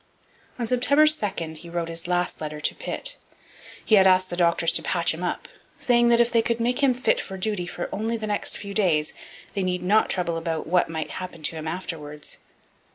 On September 2 he wrote his last letter to Pitt. He had asked the doctors to 'patch him up,' saying that if they could make him fit for duty for only the next few days they need not trouble about what might happen to him afterwards.